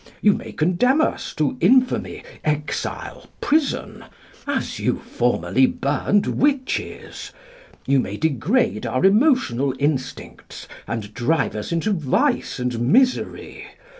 You may condemn us to infamy, exile, prison as you formerly burned witches. You may degrade our emotional instincts and drive us into vice and misery.